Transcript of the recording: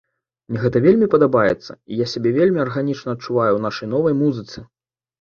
Мне гэта вельмі падабаецца, і я сябе вельмі арганічна адчуваю ў нашай новай музыцы.